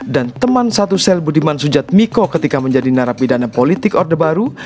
dan teman satu sel budiman sujat miko ketika menjadi narapidana politik orde baru